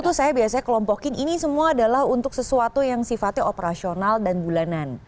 itu saya biasanya kelompokin ini semua adalah untuk sesuatu yang sifatnya operasional dan bulanan